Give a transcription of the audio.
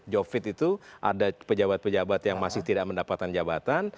jovit itu ada pejabat pejabat yang masih tidak mendapatkan jabatan